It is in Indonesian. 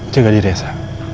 jaga diri elsa